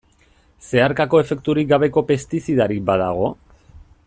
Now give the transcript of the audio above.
Zeharkako efekturik gabeko pestizidarik badago?